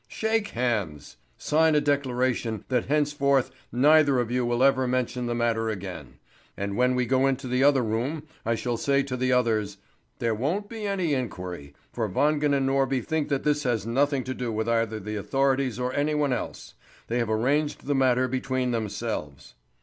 Shake hands! Sign a declaration that henceforward neither of you will ever mention the matter again'; and when we go into the other room, I shall say to the others: 'There won't be any inquiry; for Wangen and Norby think that this has nothing to do with either the authorities or any one else; they have arranged the matter between themselves.'